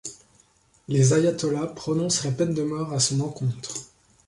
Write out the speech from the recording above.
Les ayatollahs prononcent la peine de mort à son encontre.